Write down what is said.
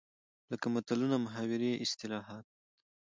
لکه متلونه، محاورې ،اصطلاحات